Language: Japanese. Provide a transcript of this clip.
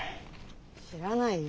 知らないよ。